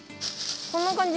こんな感じ？